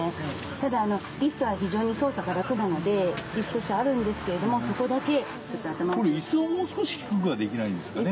ただリフトは非常に操作が楽なのでリフト車あるんですけれどもそこだけ・これいすをもう少し低くはできないんですかね？